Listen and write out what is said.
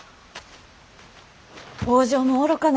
北条も愚かな。